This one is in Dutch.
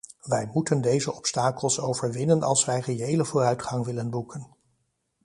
Wij moeten deze obstakels overwinnen als wij reële vooruitgang willen boeken.